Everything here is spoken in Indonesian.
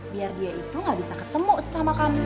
biar dia itu gak bisa ketemu sama kamu